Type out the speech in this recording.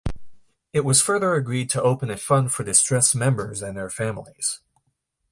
It was further agreed to open a fund for distressed members and their families.